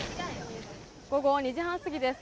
午後２時半過ぎです。